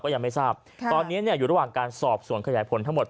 ก็ยังไม่ทราบครับตอนเนี้ยเนี้ยอยู่ระหว่างการสอบส่วนขยายผลทั้งหมด